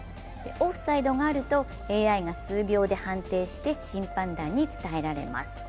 オフサイドがあるとＡＩが数秒で判定して審判団に伝えられます。